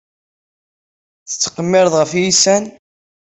Tettqemmireḍ ɣef yiysan?